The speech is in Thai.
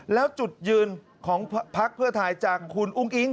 แล้วจุดยืนของพักเพื่อไทยจากคุณอุ้งอิง